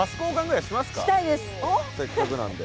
せっかくなんで。